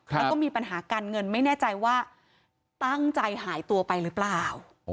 แล้วก็มีปัญหาการเงินไม่แน่ใจว่าตั้งใจหายตัวไปหรือเปล่า